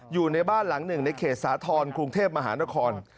อยู่ในบ้านหลังหนึ่งในเขตสาธรณ์กรุงเทพมหานคร